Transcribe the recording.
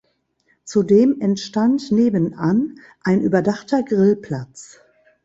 Zudem entstand nebenan ein überdachter Grillplatz.